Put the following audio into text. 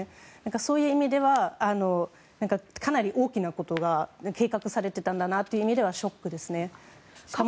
そういう意味ではかなり大きなことが計画されていたんだなという意味ではショックですね。